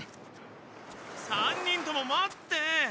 ３人とも待って。